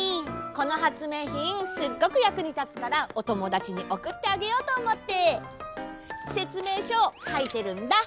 このはつめいひんすっごくやくにたつからおともだちにおくってあげようとおもってせつめいしょをかいてるんだ。